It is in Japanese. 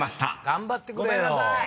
頑張ってくれよ。